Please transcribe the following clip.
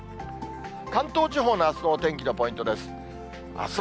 関東地方のあすのお天気のポイントです。